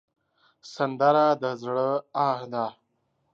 سندره د زړه آه ده